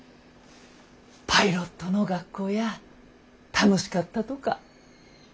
パイロットの学校や楽しかったとか？